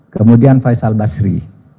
kemudian faisal basri